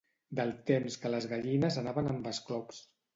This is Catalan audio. Del temps que les gallines anaven amb esclops.